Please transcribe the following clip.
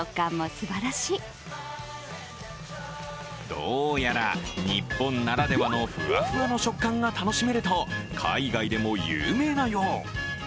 どうやら日本ならではのふわふわの食感が楽しめると海外でも有名なよう。